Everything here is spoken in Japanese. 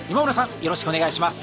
よろしくお願いします。